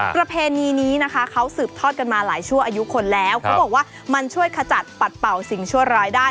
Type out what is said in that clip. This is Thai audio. ประเพณีนี้นะคะเขาสืบทอดกันมาหลายชั่วอายุคนแล้วเขาบอกว่ามันช่วยขจัดปัดเป่าสิ่งชั่วร้ายได้